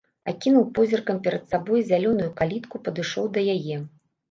Акінуў позіркам перад сабою зялёную калітку, падышоў да яе.